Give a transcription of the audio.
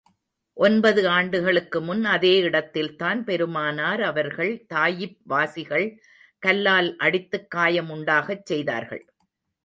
ஒன்பது ஆண்டுகளுக்கு முன், அதே இடத்தில்தான் பெருமானார் அவர்களை, தாயிப்வாசிகள் கல்லால் அடித்துக் காயம் உண்டாகச் செய்தார்கள்.